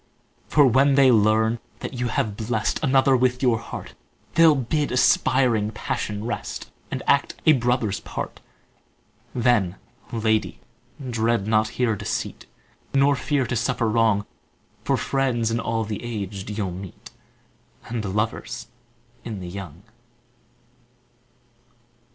For when they learn that you have blest Another with your heart, They'll bid aspiring passion rest, And act a brother's part; Then, lady, dread not here deceit, Nor fear to suffer wrong; For friends in all the aged you'll meet, And lovers in the young.